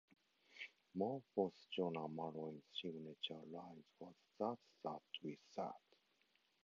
Mob boss Jonah Malloy's signature line was That's that with that.